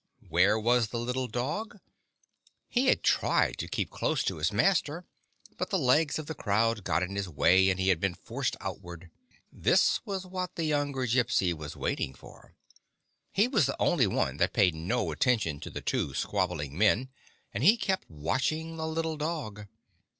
Where was the little dog ? He had tried to keep close to his master, but the legs of the crowd got in his way, and he had been forced outward. This was what the younger Gypsy was waiting for. He was the only one that paid no attention to the two squabbling men, and he kept watching the little dog.